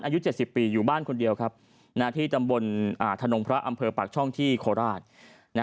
อายุ๗๐ปีอยู่บ้านคนเดียวครับที่ตำบลธนงพระอำเภอปากช่องที่โคราช